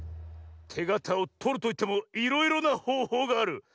てがたをとるといってもいろいろなほうほうがある。